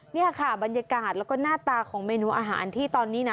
นี่ค่ะบรรยากาศแล้วก็หน้าตาของเมนูอาหารที่ตอนนี้นะ